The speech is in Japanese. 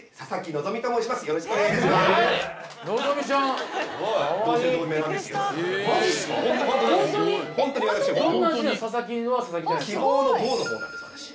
希望の「望」の方なんです私。